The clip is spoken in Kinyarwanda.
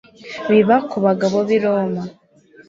biba Ku bagabo bi Roma